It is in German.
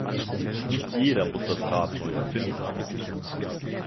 Nicht jeder muss das Rad neu erfinden.